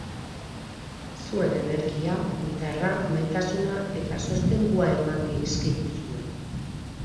Zuen energia, indarra, maitasuna eta sostengua eman dizkiguzue.